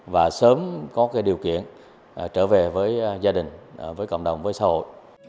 và sớm có điều kiện trở về với gia đình cộng đồng xã hội